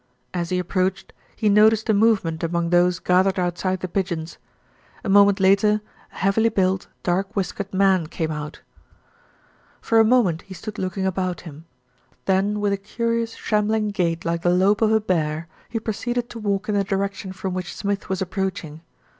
As he approached, he noticed a movement among those gathered outside The Pigeons. A moment later a heavily built, dark whiskered man came out. For a 298 THE RETURN OF ALFRED moment he stood looking about him. Then with a curious shambling gait like the lope of a bear, he pro ceeded to walk in the direction from which Smith was approaching.